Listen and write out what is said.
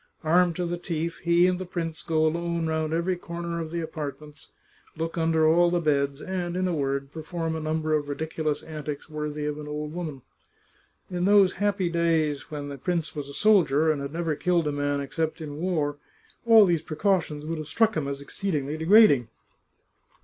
Armed to the teeth, he and the prince go alone round every comer of the apartments, look under all the beds, and, in a word, perform a number of ridiculous antics worthy of an old woman. In those happy days when the prince was a soldier, and had never killed a man except in war, all these precautions would have struck him as exceed ingly degrading.